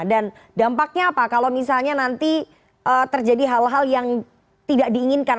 dan dampaknya apa kalau misalnya nanti terjadi hal hal yang tidak diinginkan